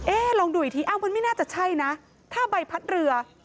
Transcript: ลองดูอีกทีอ้าวมันไม่น่าจะใช่นะถ้าใบพัดเรือ